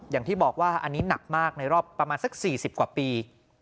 อย่างที่บอกว่าอันนี้หนักมากในรอบประมาณสัก๔๐กว่าปี